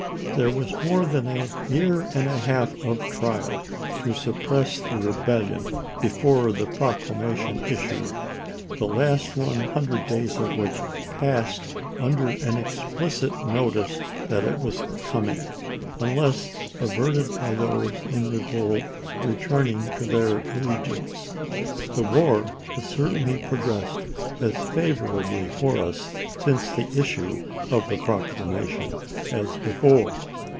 There was more than a year and a half of trial to suppress the rebellion before the proclamation issued; the last one hundred days of which passed under an explicit notice that it was coming, unless averted by those in revolt returning to their allegiance. The war has certainly progressed as favorably for us since the issue of the proc lamation as before.